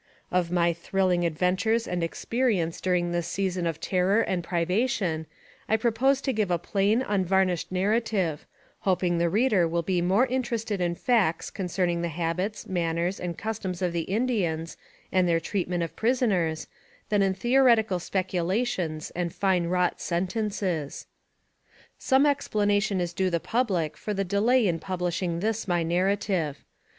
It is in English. Of my thrilling adventures and experience during this season of terror and privation, I propose to give a plain, unvarnished narrative, hoping the reader will be more interested in facts concerning th^ habits, man ners, and customs of the Indians:, and their treatment of prisoners, than in theoretical speculations and fine wrought sentences. Some explanation is due the public for the delay in publishing this my narrative.